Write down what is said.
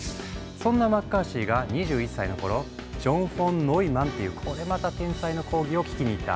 そんなマッカーシーが２１歳の頃ジョン・フォン・ノイマンっていうこれまた天才の講義を聴きに行った。